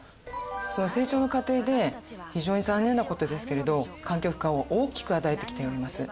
その成長の過程で非常に残念な事ですけれど環境負荷を大きく与えてきております。